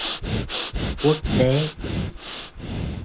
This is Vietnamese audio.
Quốc tế